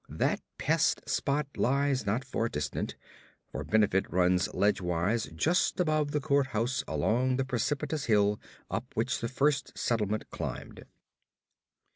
That pest spot lies not far distant for Benefit runs ledgewise just above the court house along the precipitous hill up which the first settlement climbed.